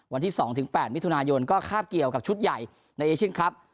วันที่๒๘มิถุนายนก็คาบเกี่ยวกับชุดใหญ่ในเอเชียนครับ